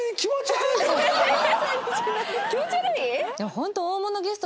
気持ち悪い？